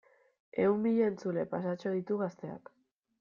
Ehun mila entzule pasatxo ditu Gazteak.